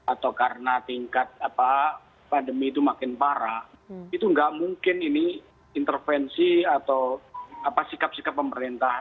atau karena tingkat pandemi itu makin parah itu nggak mungkin ini intervensi atau sikap sikap pemerintah